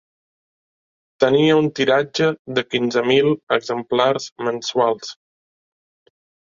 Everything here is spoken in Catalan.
Tenia un tiratge de quinze mil exemplars mensuals.